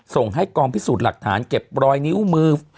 ส่งให้กองพิสูจน์หลักฐานเก็บรอยนิ้วมือ